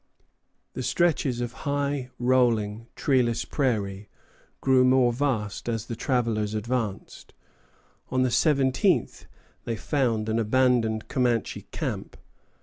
The stretches of high, rolling, treeless prairie grew more vast as the travellers advanced. On the 17th, they found an abandoned Comanche camp.